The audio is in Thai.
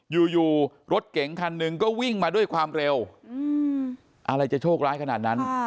อยู่รถเก๋งคันหนึ่งก็วิ่งมาด้วยความเร็วอะไรจะโชคร้ายขนาดนั้น